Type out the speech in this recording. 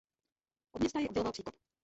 Od města jej odděloval příkop.